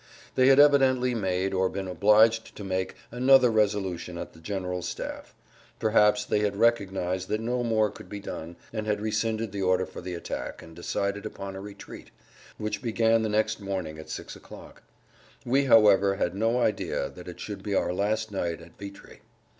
They had evidently made, or been obliged to make another resolution at the general staff;[Pg 112] perhaps they had recognized that no more could be done and had rescinded the order for the attack and decided upon a retreat, which began the next morning at 6 o'clock. We, however, had no idea that it should be our last night at Vitry.